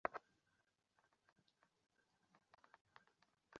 তিনি ফটোইলাস্টিসিটি আবিষ্কার করেন, এর ফলে অপটিকাল মিনারেলজির ক্ষেত্র তৈরি হয়।